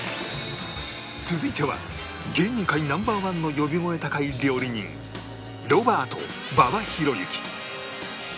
続いては芸人界 Ｎｏ．１ の呼び声高い料理人ロバート馬場裕之